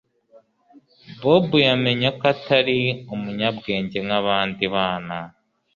Bobo yamenye ko atari umunyabwenge nkabandi bana